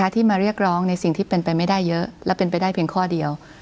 ที่มาเรียกร้องในสิ่งที่เป็นไปไม่ได้เยอะและเป็นไปได้เพียงข้อเดียว